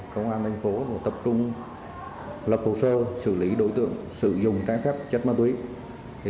công an thành phố tập trung lập hồ sơ xử lý đối tượng sử dụng trái phép chất ma túy